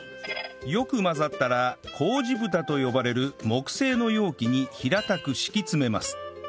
よく混ざったら麹蓋と呼ばれる木製の容器に平たく敷き詰めます